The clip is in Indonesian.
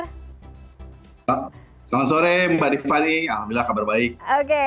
selamat sore mbak tiffany alhamdulillah kabar baik